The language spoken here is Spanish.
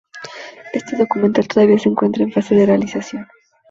Este documental todavía se encuentra en fase de realización.